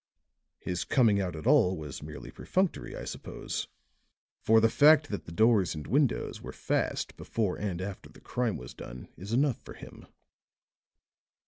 "His coming out at all was merely perfunctory, I suppose; for the fact that the doors and windows were fast before and after the crime was done is enough for him."